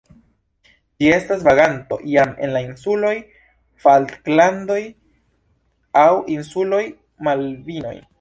Ĝi estas vaganto iam en la insuloj Falklandoj aŭ insuloj Malvinoj.